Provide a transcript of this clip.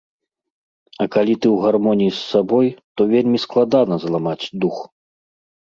А калі ты ў гармоніі з сабой, то вельмі складана зламаць дух.